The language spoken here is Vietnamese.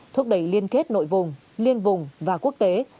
thúc đẩy liên kết nội vùng liên vùng và quốc tế